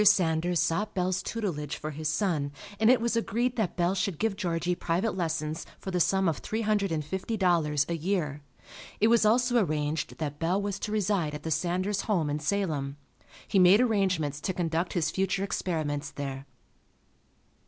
Sanders sought Bell's tutelage for his son, and it was agreed that Bell should give Georgie private lessons for the sum of three hundred and fifty dollars a year. It was also arranged that Bell was to reside at the Sanders home in Salem. He made arrangements to conduct his future experiments there.